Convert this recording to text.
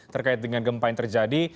terkait dengan gempa yang terjadi